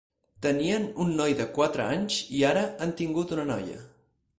Tenien un noi de quatre anys i ara han tingut una noia.